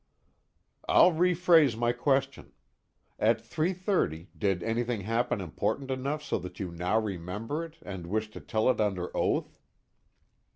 "I'll rephrase my question. At 3:30, did anything happen important enough so that you now remember it and wish to tell it under oath?"